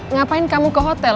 ngapain kamu ke hotel